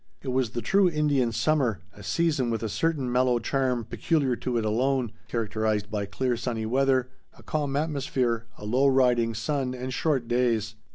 It was the true Indian summer, a season with a certain mellow charm peculiar to it alone, characterized by clear sunny weather, a calm atmosphere, a low, riding sun, and short days.